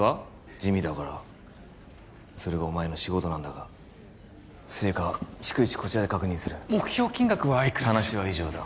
地味だからそれがお前の仕事なんだが成果は逐一こちらで確認する目標金額はいくらでしょう話は以上だ